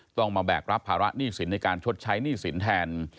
ต้องมาแบกรับภาระหนี้สินในการชดใช้หนี้สินแทน